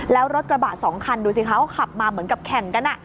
แล้วรถกระบะสองคันดูสิคะเขาขับมาเหมือนกับแข่งกัน